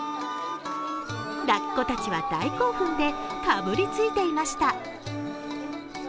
ラッコたちは大興奮でかぶりついていました。